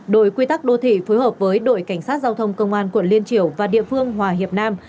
đội quy tắc đô thị phối hợp với đội cảnh sát giao thông công an quận liên triểu và địa phương hòa hiệp nam